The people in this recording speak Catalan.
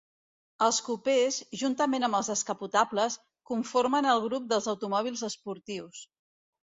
Els cupès, juntament amb els descapotables, conformen el grup dels automòbils esportius.